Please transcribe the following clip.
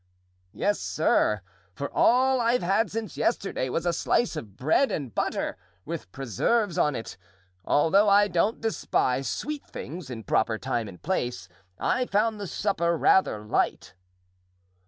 "Yes, sir; for all I've had since yesterday was a slice of bread and butter, with preserves on it. Although I don't despise sweet things in proper time and place, I found the supper rather light."